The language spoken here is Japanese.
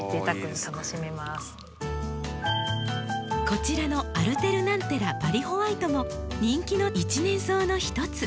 こちらのアルテルナンテラバリホワイトも人気の１年草の一つ。